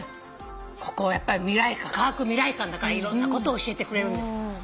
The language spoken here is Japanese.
ここはやっぱり科学未来館だからいろんなこと教えてくれるんです。